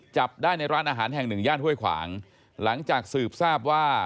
จับได้ในร้านอาหารแห่งหนึ่งย่านห้วยขวางหลังจากสืบทราบว่า